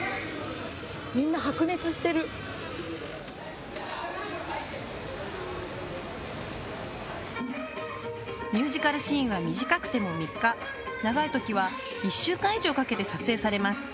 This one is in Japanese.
みんな白熱してるミュージカルシーンは短くても３日長いときは一週間以上かけて撮影されます